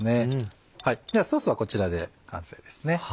ではソースはこちらで完成ですね。